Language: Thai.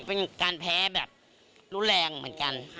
เป็นการแพ้แบบรุนแรงเหมือนกัน